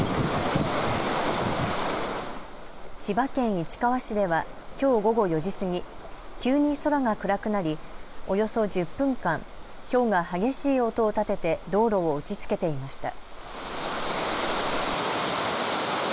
千葉県市川市ではきょう午後４時過ぎ急に空が暗くなりおよそ１０分間ひょうが激しい音を立てて道路を打ちつけていました。